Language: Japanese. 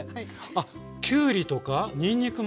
あっきゅうりとかにんにくも？